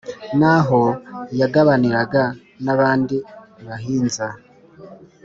n’aho yagabaniraga n’abandi bahinza